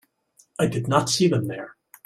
I did not see them there.